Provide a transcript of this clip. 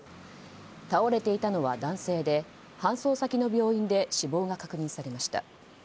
倒れていたのは男性で搬送先の病院で死亡が確認されました。